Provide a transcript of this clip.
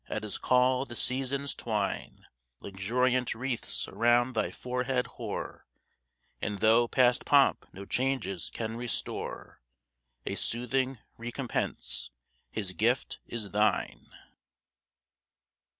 at his call the Seasons twine Luxuriant wreaths around thy forehead hoar; And, though past pomp no changes can restore, A soothing recompence, his gift, is thine!